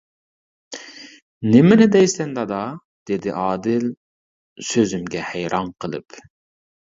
-نېمىنى دەيسەن دادا، -دېدى ئادىل سۆزۈمگە ھەيران قېلىپ.